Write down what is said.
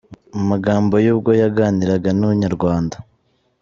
Mu magambo ye ubwo yaganiraga na Inyarwanda.